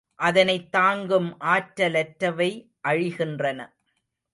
அதனைத் தாங்கும் ஆற்றலற்றவை அழிகின்றன.